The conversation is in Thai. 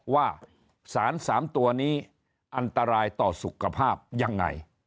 ว่าสาร๓ตัวนี้อันตรายต่อสุขภาพยังไง